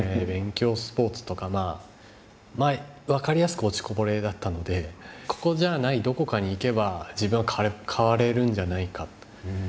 勉強スポーツとか分かりやすく落ちこぼれだったのでここじゃないどこかに行けば自分は変われるんじゃないか